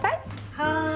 はい。